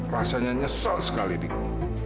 rasanya nyesel sekali dika